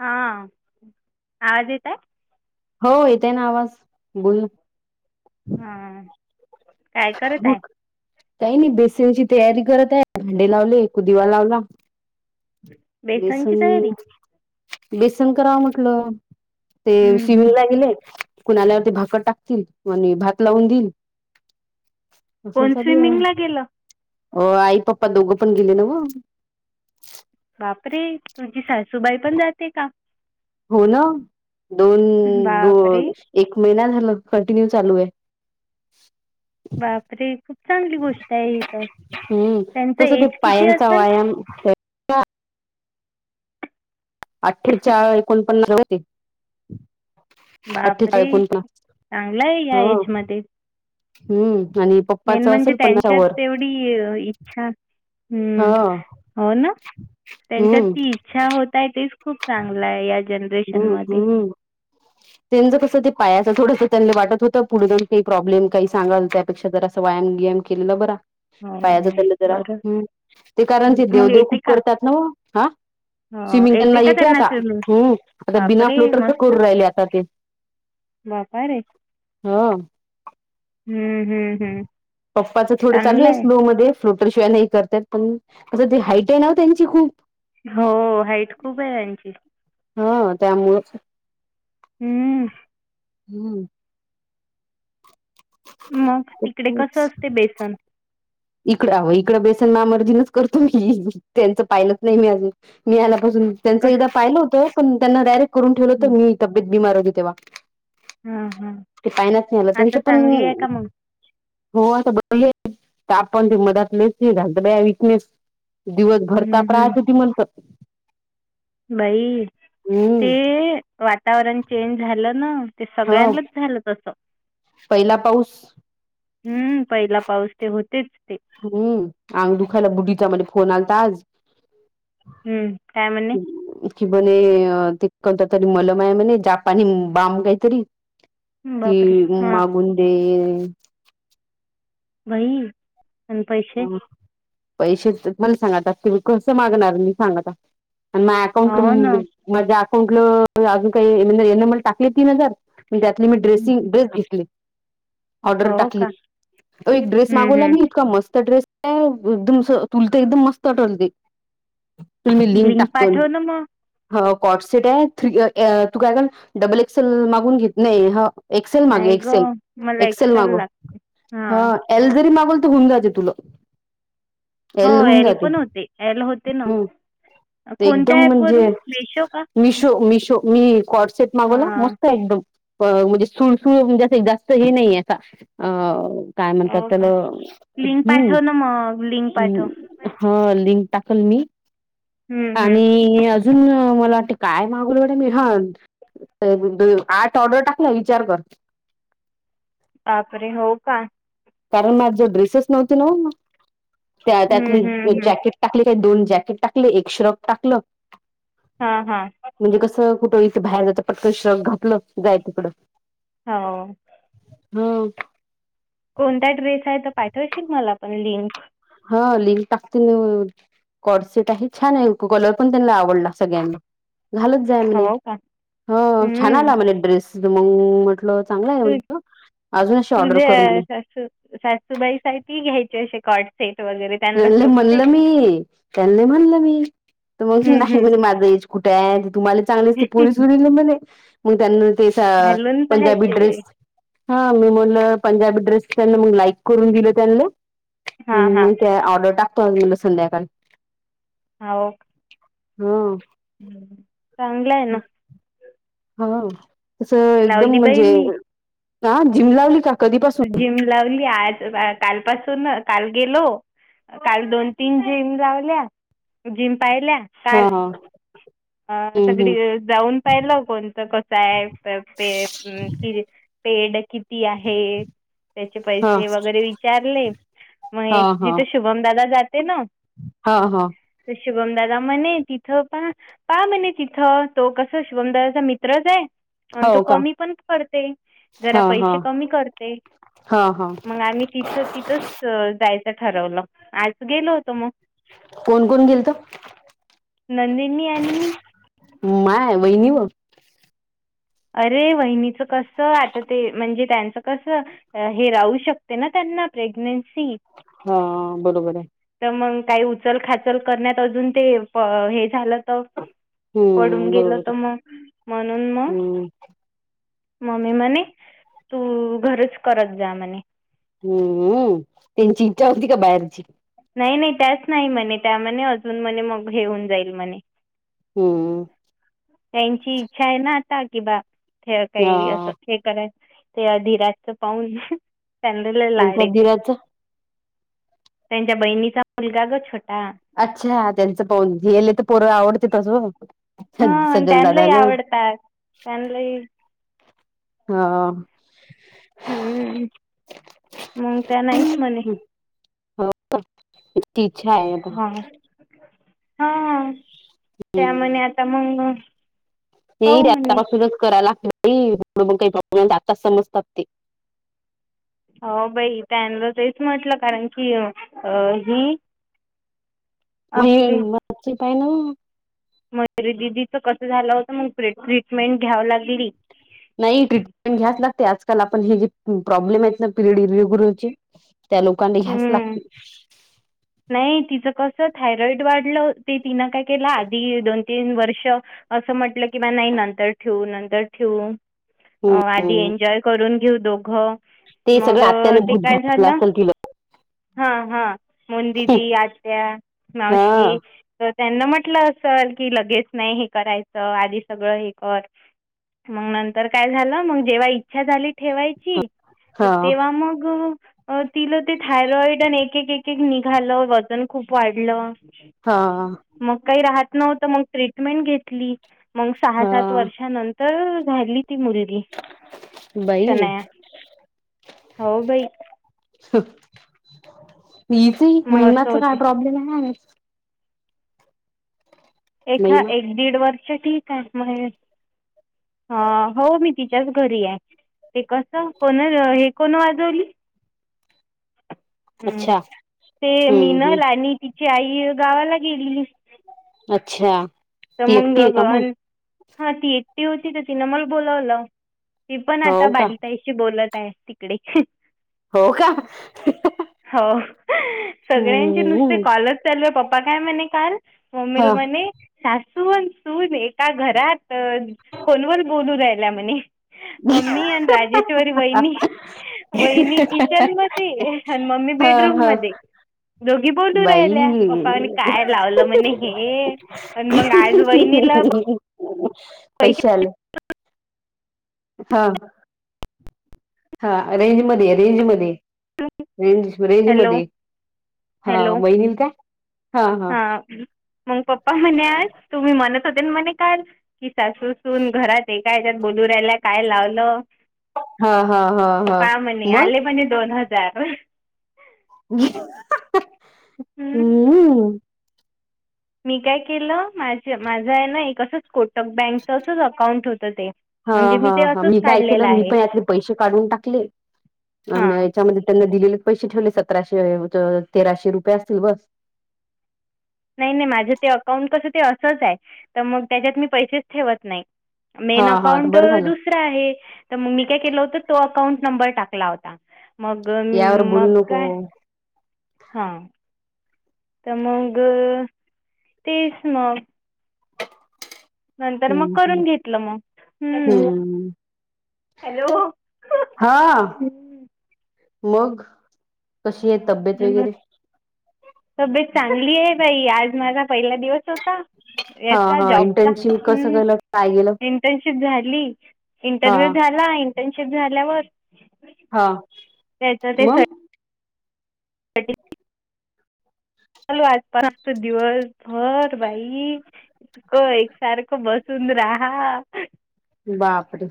हा आवाज येतय हो येतय ना आवाज बोल हां काय करत आहे मग काही नाही बेसनची तयारी करत आहे भांडे लावले कदिवा लावला बेसनची बेसन तयारी बेसन करावं म्हटलं ते हम्म, सिविल हम्म. ला गेले कण आल्यावरती भाकर टाकतील म्ह भात लावून देईल अससल कोण चालू आहे स्विमिंगला गेलं अ आई पप्पा दोघं पण गेले ना ग बापरे तुी सासूबाई पण जाते का हो ना दोन बापरे द एक महिना झाला कंटिन्यू चालू आहे बापरे खूप चांगली गोष्ट आहे इथ हम्म कसं ते पायांचा व्यायामे अठ्ठेचाार एकोणपन्नास होते अठ्ठेचाळ बापरे एकोणपन्नास चांगलाय या हो एज म हम्म आणि मेन पप्पाच म्हणजे असेल पन्नासच्या त्यांच्यात वर तेवढी इच्छा हम्म ह हो ना त्यांच्यात हम्म, ती इच्छा होतय तेच खूप चांगला आहे हम्म जनरेशनमध्ये हम् त्यांच कस ते पाया थोडस त्यांना वाटत होतं पुढे जाण काही प्रॉब्म का सांगाल त्यापेक्षा जर असं व्यायाम व्यायाम केलेलं बरा पायाच हो त्यालं जरा बरं ह् ते कारण ते मग देवदेव येते खूप का करतात ना हा हो स्विमिंग्टन का येते त्यांना आता स्विमिंग आ बिना बापरे! फ्लोटरच मस्त. करून राहिले आता ते बापा ह हम्म हम्म हम्म पप्पाचं थोडं चालू आहेस लऊ मध्ये फ्लोटरशिवाय नाही करतत पण असं ते हाईटेड नाव त्यांची खूप हो हाईट खूप आहे त्यांची हा त्यामुंच हम्म हम्म मग तिकडे कसं असते बेसन इकडं इकडं बेसन मामर्जीनच करतो मी त्यांच पाहिलंच नाही मी अजून मी आला त्यांच कसं एकदा पाहिलं होत पण त्यांना डायरेक्ट करून ठेवलं होत हं. मी तब्येत बीमार होती तेव्हा हां, हां. ते पायनाच नाही आलं त्यांच आता पण चांगली आहे का मग? हो असं बोल आपणची मदत लस ना ब वकनेस [inaudible] दिवस भरता हं, हं. प्रयती म्हणत नाही [inaudible] बाई ते हम्म वातावरण चेंज झालं ना, ते हो सगळ्यांनाच झालं तसं पहिला पाऊस हम्म पहिला पाऊस ते होतेच, ते. हम्म अंग दुखायला बुढीचा म फोन आलता आज हम्म काय म्हणे ख म्हने अ ते कोत तरी मलमय म्ह जापनी बम काहीतरी [inaudible] ती बापरे! हां. मागून दे वई आणि पैसे पैसे म सांगतात तुम्ही कस मागणार मी सांगता आणि माझ अकाउंट हो ना. माझ्या अकाउंटल अजून काही येन मला टाकले तीन हजार म त्यातली हं, मी ्रेसि हं. ड्रेस घेतली ऑर्डर हो टाकली का? एक ड्रेस हं, मागवला हं. मी इतका मस्त ड्रेस एकदम तुलते एकदम मस्त टलते. [inaudible] लिंक पाठव ना मग. ह कॉट सेट आहे थ्री तू काय का डबल एक्सेल मागून घेत नाही ह एक्सेल मागे नाही ग एक्सेल मला एक्सेल मागव लाग हा ह एल जरी माग होऊन जाे तुला हो होऊन एल जाते पण होते एल होते ना हम्म एकदम कोणत्या ऍप म्हणजे वरून मेशो का मिशो मिशो मी कॉडसेट मागवला हा मस्त एकदम म्हणजे सुळसुळ म्हणजे जास्त हे नाहीे असता अ. काय म्हणतात हो का त्याला लिंक हम्् पाठव ना मग लिंक पाठव ह लिंक टाकल मी. हम्म हम्म अजून मला वाटते काय मागूलं मी हान. द आठ ऑर्डर टाकला विचार कर. बापरे! हो का. कारण मग जो ड्रेसेस नव्हती न त्या हम्म त्यातली हम्म हम्म जॅकेट टाकली काही दोन जॅकेट टाकलं एक श्रग टाकलं हा हा म्हणजे कस. कुठं इथे बाहेर जात पटक श्रक घातलं जाय तिकडं हो. होम. कोणता ड्रेस आहे तर पाठवाशील मला पण लिंक हा लिंक टाकते. कॉडसेट आहे छान आहे कलर पण त्यांना आवडला सगळ्यांना घालत जाय म्हणे हो का ह छान हम्म आला म्हणे ड्रेस मग म्हटल. तु कर तुझ्या म्हणे सासू सासूबाई सा घ्यायची श. कोडसेट त्यांले म्हणल मी त्यांनी म्हणल मी. तर मग हम्म नाही म्हणे माझं कुठे आहे तुम्हाला चांगलेच ते पोरीस हम्म उरले म्हणे मग त्यांना. घालून पंजाबी पाहायचे ड्रेस. हा मी म्हणलं पंजाबी ड्रेस त्यांना मग लाईक करून दिल त्यांना हा हा. मग त्या ऑर्डर टाकतो आ म संध्याकाळी. हा ओ. हा. चांगलं आहे ना. हा तस एकदम लावली बाई म्हणजे मी ह जिम लावली का. कधीपासून जिम लावली आज कालपासून काल गेलो. काल दोन तीन जिम लावल्या जिम पाहिल्या काल हा [inaudible] अ सगळी हम्म जाऊन पाहिलं कोणतं कसं आहे कि पेड किती आहे? त्याचे हा पैसे वगैरे विचारले हा मग हा जिथे शुभमदादा जाते ना. हा हा. तर शुभमदादा म्हणे तिथ पा पा म्हणे तिथं तो कस शुभमदादाचा मित्रच आहे. आणि तो हो का कमी पण करते जरा हा हा पैसे कमी करते. हा हा मग आ तिथ तिथ. जायचं ठरवलं आज गेलो होतो मग. कोण कोण गेल त. नंदिनी आणि मी माय वहिनीवर. अरे वहिनीच कस आता ते म्हणजे त्यांचं कसं हे राहू शकते ना त्यां प्रेग्नें हा बरोबर आहे. तर मग काही उचल खाचल करण्यात अजून ते हे झालं. तर पडून हम्म गेलं बरोबर तर मग म्हणून मग आहे हम्म मम्मी म्हणे तू घरच करत जा म्हणे हम्म त्यांची इच्छा होती का बाहेरची नाही नाही त्याच नाही म्हणे त्यामध्ये अजून म्हणे मग घऊन जाईल म्हणे हम्म त्यांची इच्छा आहे ना आता कि बा हे हा काही असं हे करायच ते अधीराातच पाहून चदल लाड कोणत्या येते दिराचं त्यांच्या बहिणीचा मुलगा गछट अच्छा त्यांचं पानले तर पर्व आवडते तस हा सजल त्यांलाही दादाला आवडतात त्यांलाही हा हम्म मग त्या नाहीच म्हणे होची इच्छा आहेता हा हम्म ते पाहू रे म्हणे आतापासूनच करायलागत मग काही प्रॉब्लेम आताच समजतात ते हो बाई त्यां तेच म्हटलं कारण की अ ही म वाची पाय ना मगे दिदीच कस झालं होतं मग ट्रीटमेंट घ्याव लागली नाही ट्रीटमेंट घ्याच लागते आजकाल आपण हे जे प्रॉब्लेम आहेत ना पिरियडचे त्या लोकांना घ्यास हं. लागते थायरॉइड वाढलं ते तिनं काय केलं आधी दोन तीन वर्ष असं म्हटलं किंवा नाही नंत नर ठेऊ नंतर ठेऊ आधी हम्म एन्जॉय करून घेऊ दोघं ते सगळं मग आत्याने ते भूत काय घातलं झालं असेल तिला हा हा मोंदिबी आत्या मावशीशी हा त्यांना म्हटलं असेल की लगेच नाही हे करायचं आधी सगळ हे कर मग नंतर काय झालं मग जेव्हा इच्छा झाली ठेवायची हा तेव्हा मग ति ते थायरॉड निघालं वन खूप वाढ हा मग काही मे घ स हा सात वर्ष झा ती मुलगी बाई शनाया हो भाई मच मग असं महिन्याचा काय होते प्रॉब्लेम आहे एखा महिमा एक दीड वर्ष ठीक आहे म्ह हा हो मी तिच्याच घरी आहे ते कस कोण हे कोण वाजवली ह हम्म ते हम्म हम्म मीनला आणि तिची आई गावाला गेलेली अच्छा ती तमंग एकटी आहे का मग गन हा ती एकटी होती का तिनं मला बोलावलं ती पण हो आता का बालिकाईशी बोलत तिकडे हो का हो सगळ्यांचे नुसते हम्म कॉलच चालू आहे पप्पा काय म्हणे काल हा सासून सून एका घरात फोनवर बोलू राहिल्या म्हणे मम्मी आणि राजेश्वरी बहिनी वहिनी किचन मध्ये आणि मम्मी हा बेडरूम हा मध्ये दोघी बोल दू बाई राहिल्या पप्पाने काय लावलं मण ये पण मग आज वहिनीला पै पैसे आले हा हा रेंज मधे एक,, रेंजमध्ये एक, रेंज, रेंज हॅलो मधे. हा हॅलो बैनील काय? हा,, मंग पप्पा म्हणे, तुम्ही मनतऽ होते मणे काय? की सासूसून घरात आहे कायच्यात बोलू रा्यायला काय लावलं? हा हा हा हा का म्हणे,, मग आले माझे दोन हजार. हम्म, मी काय केलं,, माझ, माझं आहे ना एक असंच कोटक बँकच असच अकाउंट होतं तेऽ हा, हा हा, मी काय केलं,, मी पण यातले पैसे काढून टाकलीऽ आणि हां याच्यामध्ये त्यांना दिलेलंऽ पैसे ठेवले सतराशे तेराशे रुपये असतील बस. नाही, नाही, माझं ते अकाउंट कसं ते असंच आहे,,, तर मग त्याच्यात मी पैसेच ठेवत नाही. हा मेन हा अकाउंट बरं झालं दुसरा आहे,, तर मग मी काय केलं होत तोऽ अकाउंट नंबर टाकला होता,, मग यावर म बोलू नको कायऽ हा, तर मग,, तीस मग. नंतर मग हम्म हम्म करून घेतलं मग,,, हं. हम्म हॅलो, हा मग कशी आहे तब्येत वगैरे? तब्येत चांगली आहे बाई,, आज माझा पहिला दिवस होऽ हा याचा हा जॉबचा,,, इंटर्नशिप कसं ह्. केलं काय गेलं इंटर्नशिप झाली,, हा इंटरव्ह्यू झाला,, इंटर्नशिप झाल्यावरऽ हा,, ते मग. सर्टिफिकेट चालू आज पाच दिवस भर बाईऽ एकसारखं बसून राहा. बापरे!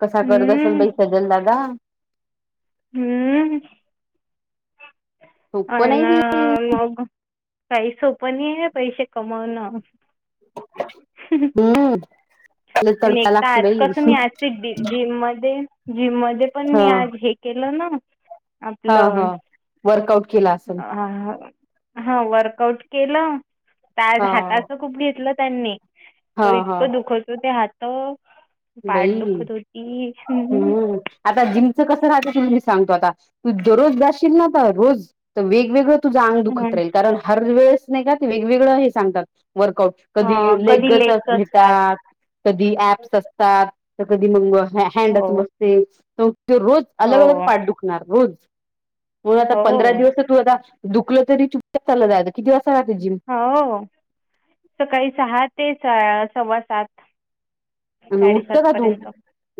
कसा करत असेल हम्म बाई सजन दादा. हम्म, अ सोप नाही ते. ऽमग काही सोप नाही हे पैसे कमवणं. हम्, आणि एकता आज कसं,, मी असते जिम मध्येऽ जिम मध्ये पण हा मी आज हे केलं नाऽ हा हा आपलंऽ वर्कआउट केला असेल हा वर्कआउट केलं,, ते आज हा हाताचं खूप घेतलं त्यांनी- हा तो हा इतकं दुखवतो ते हातऽ बाई,, हम्म,, आता जिमचं कसं रा मी सांगतो आता,, तू दररोज जाशील ना का रोज तर वेगवेगळ तुझ अंग दुखत राहील, कारण हर वेळच नाही का, ते वेगवेगळं हे सांगतात. वर्कउट. कधी हां कधी लेगच लेग्स असतात घेतात, कधी ऍप्स असतात. कधी म हॅड हो मस्ते, तर रोज अलग, अलग हो पाठ दुखणार, रोज. मग आता हो पंधरा दिवस तू आता, दुखलं तरी चूप चाल किती वाजता राहते जिम हो,, सकाळी सहा ते सव्वा सात. आणि साडेसात उठतं का तू पर्यंत,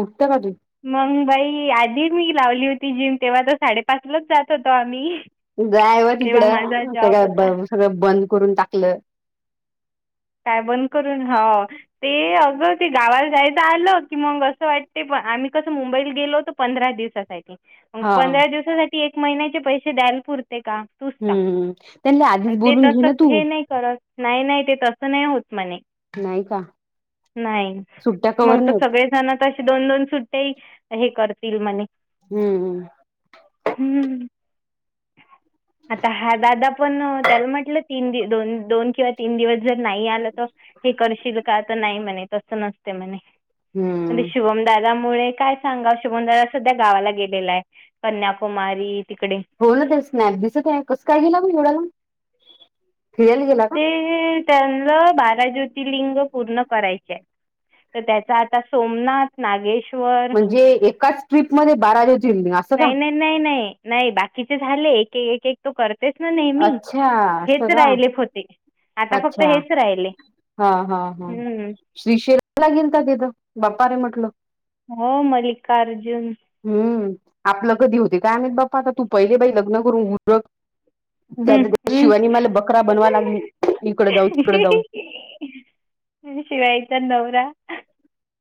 उठतं का तू मंग बाई आधी मी लावली होती. ती जिम. तेव्हा तर साडे पाचलाच जात होतो आम्ही. जायव तेव्हा तिकडं,, माझा अस जॉब का होता सगळं बंद करून टाकलं. काय बंद करून, हो, ते अग ते गावाला जायचं आलं, की मग असं वाटते आम्ही कसं मुंबईला गेलो होतो पंधरा दिवसासाठी.. मग हा पंधरा दिवसासाठी एक महिन्याचे पैसे द्याल पुरऽ ते का? तूच सांग,, हम्म त्यांनी आधीच ते बोलून घे तस ना तू हे नाही करत,, नाही नाही ते तसऽ होत मने. नाही का नाही,, सुट्ट्या कवर मग नाही त होत. सगळे जण तशे दोन, दोन सुट्ट्याऽ हे करतील मणे. हम्मम् हम्म. आता हा दादा पण त्याला म्हटलं तीन दोन किंवा तीन दिवस जर नाही आलं तर हे करशील का तर नाही म्हणे तसं नसते म्हणे म्हेने हम्म शुभम दादा तुले काय सांगा, शुभम दादा सध्या गावाला गेलेला आहे. कन्याकुमारी. तिकडे हो ना, ते स्नॅप दिसत आहे, कसं काय गेलं म्हणे एवढालाब. ते त्यांना बारा ज्योतिर्लिंग पूर्ण करायचे आहे. तर त्याचा आता सोमनाथ, नागेश, बर. म्हणजे एकाच ट्रिप मध्ये बारा ज्योतिर्लिंग असं का नाही.. नाही.. नाही.. बाकी चे. झाले एक -एक करतोस ना नेहमी, अच्छा असं हेच का राहिले फक्त. आता अच्छा. हेच राहिले हा हा हा हम्म. श्री शेरा लागेल का तिथं? बाप्पा रे म्हटलं. हो, मल्लिकार्जुन. हम्म आपलं कधी होते काय नाहीत बा्पा. आता तू पहिले बाई लग्न करून उरक. हम्म, जाऊदे बा हम्म. शिवानी मला बकरा बनवा लागली, इकड जाऊ, तिकड जाऊ. आणि शिवानी चा नवरा.